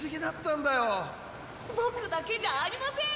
ボクだけじゃありません！